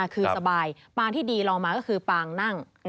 คือสบายปางที่ดีลองมาก็คือปางนั่ง